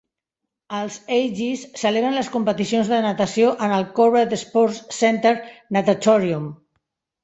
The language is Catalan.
Els Aggies celebren les competicions de natació en el Corbett Sports Center Natatorium.